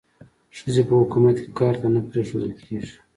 ښځې په حکومت کې کار ته نه پریښودل کېږي.